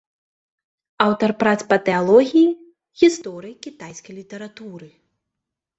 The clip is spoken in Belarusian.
Аўтар прац па тэалогіі, гісторыі кітайскай літаратуры.